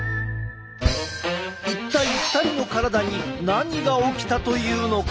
一体２人の体に何が起きたというのか？